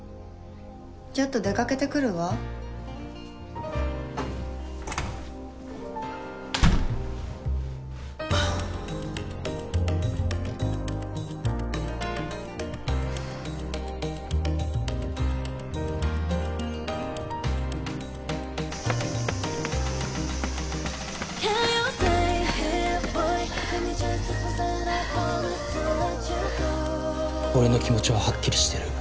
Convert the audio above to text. ちょっと出かけてくるわ俺の気持ちははっきりしてる